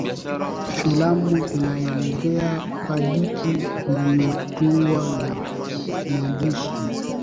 filamu inaelezea hadithi iliyotungwa na mwandishi